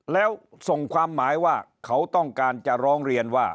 แล้วส่งความหมายว่าเขาต้องการจะร้องเรียนว่า